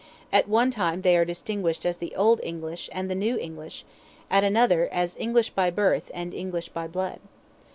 At one time they are distinguished as "the old English" and "the new English," at another, as "English by birth" and "English by blood."